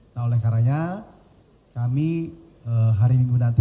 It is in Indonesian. nah oleh karanya kami hari minggu nanti